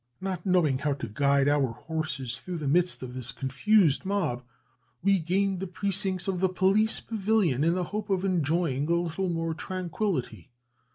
Not knowing how to guide our horses through the midst of this confused mob, we gained the precincts of the police pavilion in the hope of enjoying a little more tranquillity.